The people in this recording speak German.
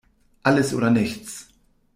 Alles oder nichts!